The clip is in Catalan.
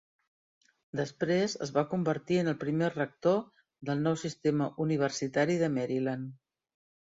Després es va convertir en el primer rector del nou sistema universitari de Maryland.